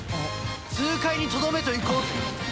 痛快にとどめといこうぜ！